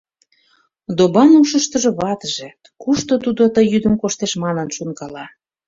Добан ушыштыжо ватыже, кушто тудо ты йӱдым коштеш манын шонкала.